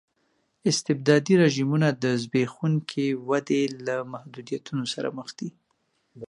استبدادي رژیمونه د زبېښونکې ودې له محدودیتونو سره مخ شي.